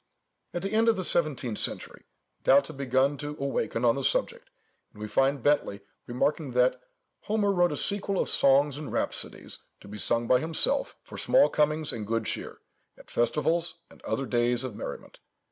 At the end of the seventeenth century, doubts had begun to awaken on the subject, and we find Bentley remarking that "Homer wrote a sequel of songs and rhapsodies, to be sung by himself, for small comings and good cheer, at festivals and other days of merriment.